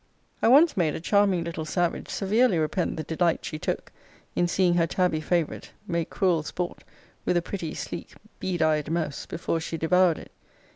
I once made a charming little savage severely repent the delight she took in seeing her tabby favourite make cruel sport with a pretty sleek bead eyed mouse, before she devoured it.